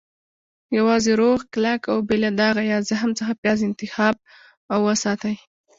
- یوازې روغ، کلک، او بې له داغه یا زخم څخه پیاز انتخاب او وساتئ.